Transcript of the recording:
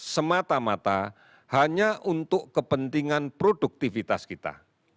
semata mata hanya untuk kepentingan produktivitas kita